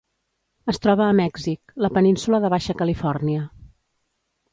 Es troba a Mèxic: la península de Baixa Califòrnia.